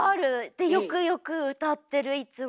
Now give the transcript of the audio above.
でよくよく歌ってるいつも。